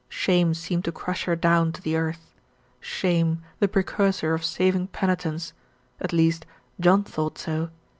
Shame seemed to crush her down to the earth; shame, the precursor of saving penitence at least, John thought so.